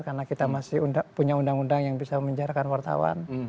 karena kita masih punya undang undang yang bisa menjarakan wartawan